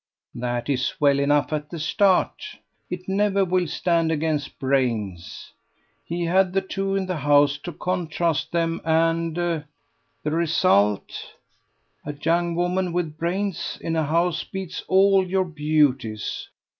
"That is well enough at the start. It never will stand against brains. He had the two in the house to contrast them, and ... the result! A young woman with brains in a house beats all your beauties.